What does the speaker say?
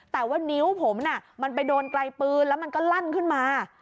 แต่ว่านิ้วผมมันไปโดนไกลปืนแล้วมันก็ลั่นขึ้นมา